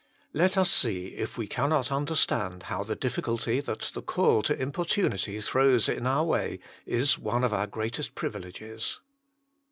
Let us see if we cannot understand how the difficulty that the call to importunity throws in our way is one of our greatest privileges.